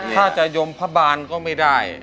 ถ้าจะยมพระบาลก็ไม่ได้